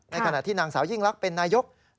ในขณะที่นางสาวยิ่งลักษณ์เป็นนายยกรัฐมนตร